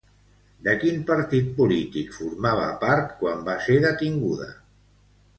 De quin partit polític formava part quan va ser detinguda?